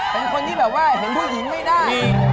เป็นคนที่แบบว่าเห็นผู้หญิงไม่ได้